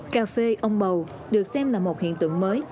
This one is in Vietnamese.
cà phê ông bầu được xem là một hiện tượng mới